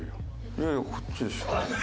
いやいやこっちでしょ。